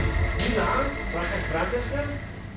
ini lah rakes rakes kan